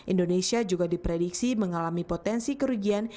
indonesia juga diprediksi mengalami potensi kerugian